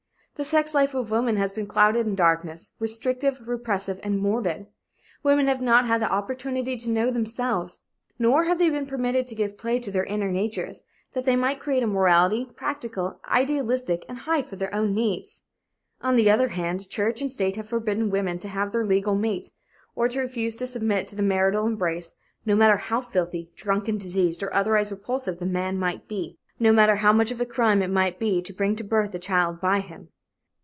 The sex life of women has been clouded in darkness, restrictive, repressive and morbid. Women have not had the opportunity to know themselves, nor have they been permitted to give play to their inner natures, that they might create a morality practical, idealistic and high for their own needs. On the other hand, church and state have forbidden women to leave their legal mates, or to refuse to submit to the marital embrace, no matter how filthy, drunken, diseased or otherwise repulsive the man might be no matter how much of a crime it might be to bring to birth a child by him.